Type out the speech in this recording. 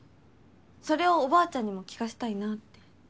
それをおばあちゃんにも聴かせたいなって。